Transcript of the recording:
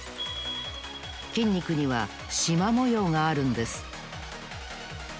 筋肉にはしまもようがあるんです